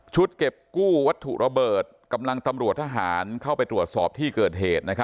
เก็บกู้วัตถุระเบิดกำลังตำรวจทหารเข้าไปตรวจสอบที่เกิดเหตุ